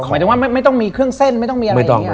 หมายถึงว่าไม่ต้องมีเครื่องเส้นไม่ต้องมีอะไรอย่างนี้